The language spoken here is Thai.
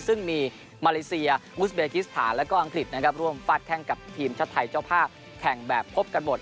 ซึ่งมีมาเลเซียอุสเบกิสถานแล้วก็อังกฤษนะครับร่วมฟาดแข้งกับทีมชาติไทยเจ้าภาพแข่งแบบพบกันหมด